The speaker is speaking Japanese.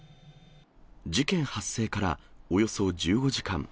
事件発生からおよそ１５時間。